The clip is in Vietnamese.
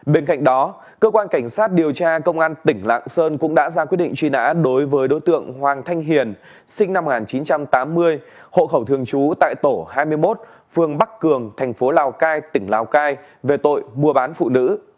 bên cạnh đó cơ quan cảnh sát điều tra công an tỉnh lạng sơn cũng đã ra quyết định truy nã đối với đối tượng hoàng thanh hiền sinh năm một nghìn chín trăm tám mươi hộ khẩu thường trú tại tổ hai mươi một phương bắc cường thành phố lào cai tỉnh lào cai về tội mua bán phụ nữ